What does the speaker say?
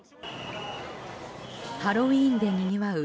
ハロウィーンでにぎわう